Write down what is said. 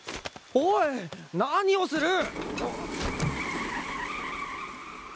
おい何をする！